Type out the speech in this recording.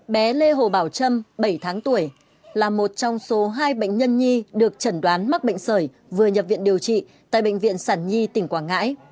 bé lê hồ bảo trâm bảy tháng tuổi là một trong số hai bệnh nhân nhi được chẩn đoán mắc bệnh sởi vừa nhập viện điều trị tại bệnh viện sản nhi tỉnh quảng ngãi